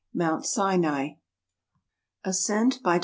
MOUNT SINAI. ASCENT BY DK.